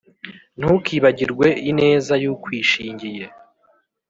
Ntukibagirwe ineza y’ukwishingiye,